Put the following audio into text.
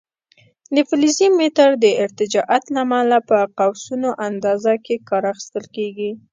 د فلزي متر د ارتجاعیت له امله په قوسونو اندازه کې کار اخیستل کېږي.